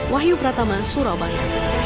wahyu pratama surabaya